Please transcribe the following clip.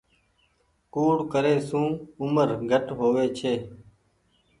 ڪوڙي ڪري سون اومر گھٽ هووي ڇي۔